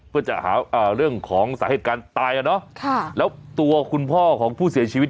เพื่อจะหาเรื่องของสาเหตุการณ์ตายอ่ะเนอะแล้วตัวคุณพ่อของผู้เสียชีวิต